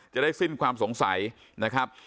จะได้สิ้นความสงสัยนะครับ